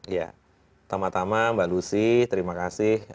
ya pertama tama mbak lucy terima kasih